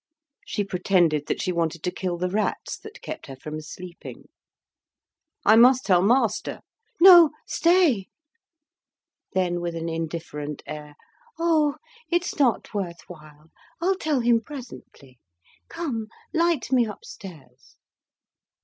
She pretended that she wanted to kill the rats that kept her from sleeping. "I must tell master." "No, stay!" Then with an indifferent air, "Oh, it's not worth while; I'll tell him presently. Come, light me upstairs."